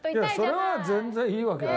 それは全然いいわけです。